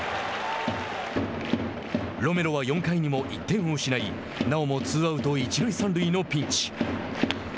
ロメロは４回にも１点を失いなおもツーアウト一塁三塁のピンチ。